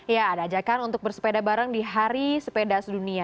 ya ada ajakan untuk bersepeda bareng di hari sepeda sedunia